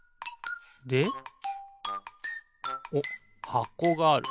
でおっはこがある。